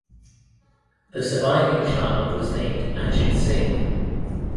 The surviving child was named Ajit Singh.